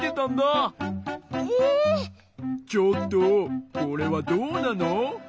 ちょっとこれはどうなの？